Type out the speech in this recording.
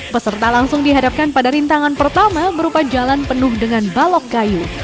peserta langsung dihadapkan pada rintangan pertama berupa jalan penuh dengan balok kayu